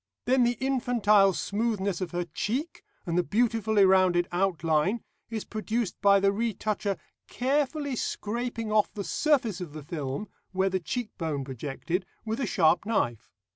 Then the infantile smoothness of her cheek, and the beautifully rounded outline, is produced by the retoucher carefully scraping off the surface of the film where the cheekbone projected with a sharp knife.